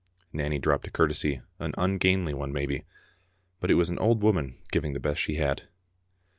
Nanny dropped a curtesy, an ungainly one maybe, but it was an old woman giving the best she had.